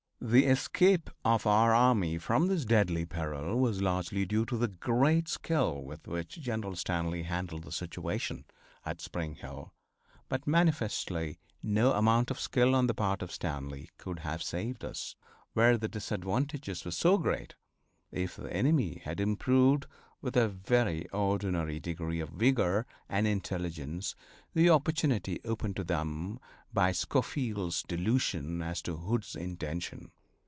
The escape of our army from this deadly peril was largely due to the great skill with which General Stanley handled the situation at Spring Hill, but manifestly no amount of skill on the part of Stanley could have saved us, where the disadvantages were so great, if the enemy had improved with a very ordinary degree of vigor and intelligence the opportunity opened to them by Schofield's delusion as to Hood's intention.